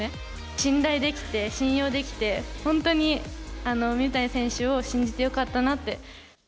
信頼できて、信用できて、本当に水谷選手を信じてよかったなって。